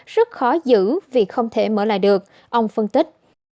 rất khó giữ vì không thể mở lại được ông phân tích